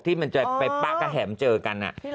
ที่มันจะไปปลั๊กกับแห่มเจอกันอ่ะ